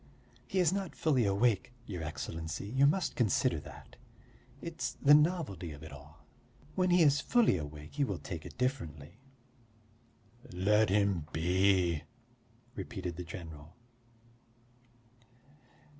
"He is not fully awake, your Excellency, you must consider that; it's the novelty of it all. When he is fully awake he will take it differently." "Let him be," repeated the general.